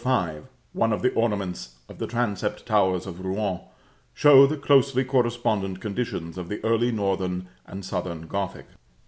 5, one of the ornaments of the transept towers of Rouen, show the closely correspondent conditions of the early Northern and Southern Gothic.